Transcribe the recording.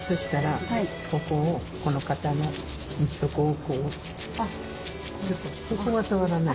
ここは触らない。